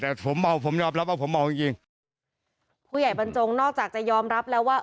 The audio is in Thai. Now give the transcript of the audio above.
แต่ผมเมาผมยอมรับว่าผมเมาจริงจริงผู้ใหญ่บรรจงนอกจากจะยอมรับแล้วว่า